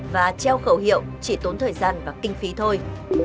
và treo khẩu hiệu chỉ tốn thời gian và kinh phí thôi